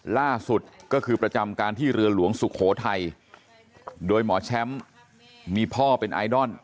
ล่าสุดก็คือประจำการที่เรือหลวงสุโขทัยโดยหมอแชมป์มีพ่อเป็นไอดอล